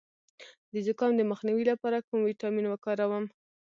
د زکام د مخنیوي لپاره کوم ویټامین وکاروم؟